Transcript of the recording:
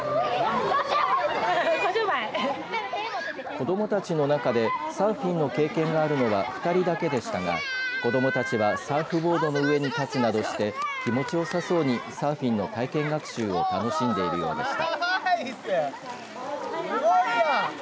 子どもたちの中でサーフィンの経験があるのは２人だけでしたが、子どもたちはサーフボードの上に立つなどして気持ち良さそうにサーフィンの体験学習を楽しんでいるようでした。